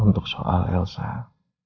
bukan cuma sama reina sama askara